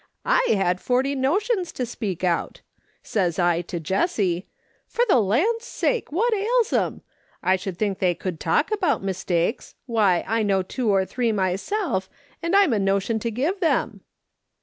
1 had forty notions to speak out. Says I to Jessie: 'For the land's sake! what ails 'em? I should think they could talk about mistakes ; why, I know two or three myself, and I'm a notion to give them.'